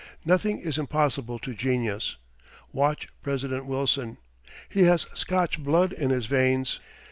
Nothing is impossible to genius! Watch President Wilson! He has Scotch blood in his veins.